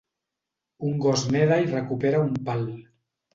Un gos neda i recupera un pal.